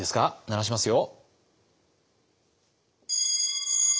鳴らしますよ。